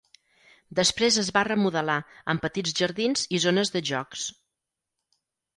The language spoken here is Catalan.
Després es va remodelar amb petits jardins i zones de jocs.